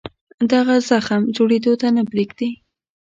دغه زخم جوړېدو ته نه پرېږدي.